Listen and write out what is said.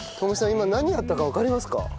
今何やったかわかりますか？